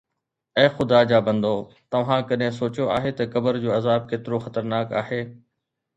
اي خدا جا بندو، توهان ڪڏهن سوچيو آهي ته قبر جو عذاب ڪيترو خطرناڪ آهي؟